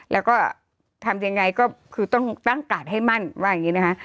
แล้วก็ทำยังไงก็คือต้องตั้งกาดให้มั่นว่าอย่างนี้นะคะ